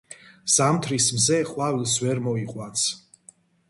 ზამთრის მზე ყვავილს ვერ მოიყვანს